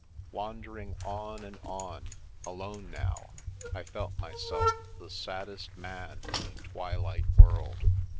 Wandering on and on, alone now, I felt myself the saddest man in a twilight world.